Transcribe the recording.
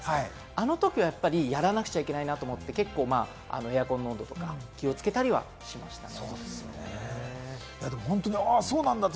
あの時はやらなくちゃいけないなと思って、エアコンのこととか気をつけたりしましたね。